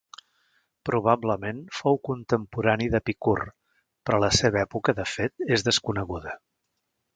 Probablement, fou contemporani d'Epicur, però la seva època, de fet, és desconeguda.